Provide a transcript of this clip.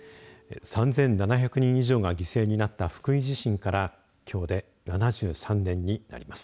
３７００人以上が犠牲になった福井地震からきょうで７３年になります。